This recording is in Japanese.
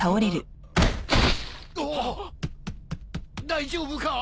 大丈夫か！？